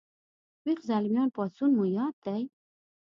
ويښ زلميان پاڅون مو یاد دی